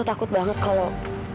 aku takut banget kalau